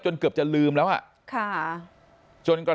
คุณพี่สมบูรณ์สังขทิบ